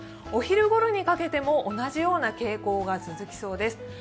お昼頃にかけても同じような傾向が続きそうです。